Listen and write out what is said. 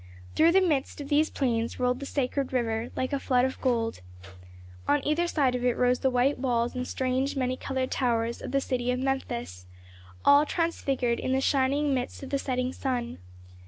Through the midst of these plains rolled the sacred river, like a flood of gold. On either side of it rose the white walls and strange many colored towers of the city of Memphis, all transfigured in the shining mist of the setting sun.